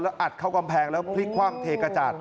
อัดเข้ากำแพงแล้วพลิกคว่ำเทกระจาด